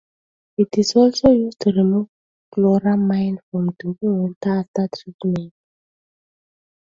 It is also used to remove chloramine from drinking water after treatment.